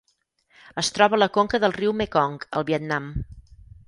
Es troba a la conca del riu Mekong al Vietnam.